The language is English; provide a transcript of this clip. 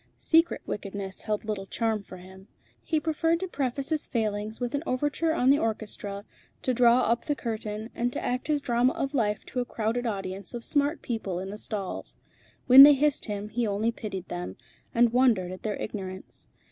Secret wickedness held little charm for him. He preferred to preface his failings with an overture on the orchestra, to draw up the curtain, and to act his drama of life to a crowded audience of smart people in the stalls. When they hissed him, he only pitied them, and wondered at their ignorance.